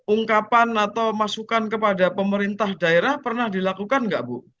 ungkapan atau masukan kepada pemerintah daerah pernah dilakukan nggak bu